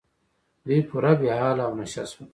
دوی پوره بې حاله او نشه شول.